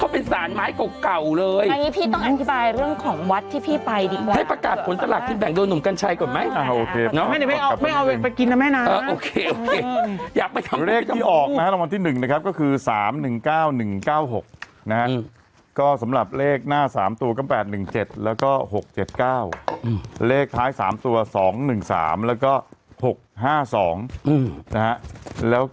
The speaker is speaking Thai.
เป็นสารไม้เก่าเก่าเลยอันนี้พี่ต้องอธิบายเรื่องของวัดที่พี่ไปดีกว่าให้ประกาศผลสลักกินแบ่งโดยหนุ่มกัญชัยก่อนไหมไม่เอาไปกินนะแม่นะโอเคโอเคอยากไปถามเลขที่ออกนะฮะรางวัลที่๑นะครับก็คือ๓๑๙๑๙๖นะฮะก็สำหรับเลขหน้า๓ตัวก็๘๑๗แล้วก็๖๗๙เลขท้าย๓ตัว๒๑๓แล้วก็๖๕๒นะฮะ